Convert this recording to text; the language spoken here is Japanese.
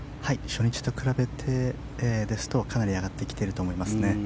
初日と比べてですとかなり上がってきていると思います。